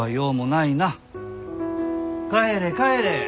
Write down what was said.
帰れ帰れ。